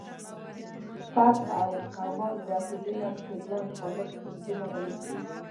فتح او حماس د عقیدې له مخې دوه مخالف قطبونه بلل کېږي.